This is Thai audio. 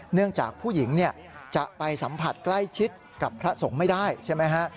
เนื่องจากผู้หญิงจะไปสัมผัสใกล้ชิดกับพระสงฆ์ไม่ได้ใช่ไหมฮะ